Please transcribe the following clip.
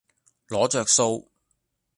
攞著數